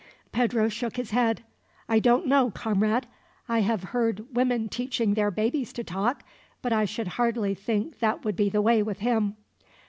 Pedro shook his head. "I don't know, comrade. I have heard women teaching their babies to talk, but I should hardly think that would be the way with him."